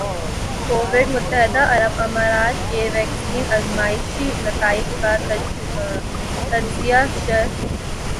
Covid متحدہ عرب امارات کے ویکسین آزمائشی نتائج کا تجزیہ شر